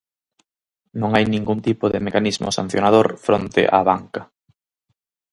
Non hai ningún tipo de mecanismo sancionador fronte á banca.